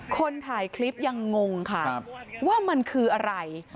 คนถ่ายคลิปยังงงค่ะว่ามันคืออะไร